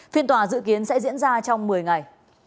phiên tòa dự kiến sẽ diễn ra trong một mươi ngày